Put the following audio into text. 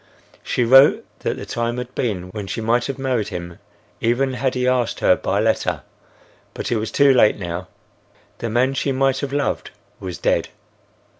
She wrote that the time had been when she might have married him even had he asked her by letter, but it was too late now. The man she might have loved was dead.